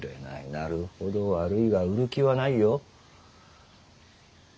なるほど悪いが売る気はないよ。